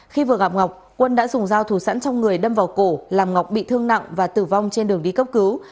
khi vừa gặp ngọc quân đã dùng dao thủ sẵn trong người đâm vào cổ làm ngọc bị thương nặng và tử vong trên đường đi cấp cứu